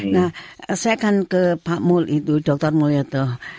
nah saya akan ke pak mul itu dokter mulya tuh